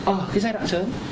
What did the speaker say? ở giai đoạn sớm